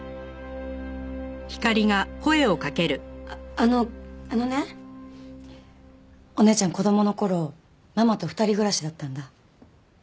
あのあのねおねえちゃん子供の頃ママと２人暮らしだったんだ。